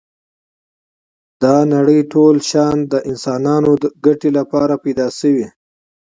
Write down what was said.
دا نړی ټول شیان د انسانانو ګټی لپاره پيدا شوی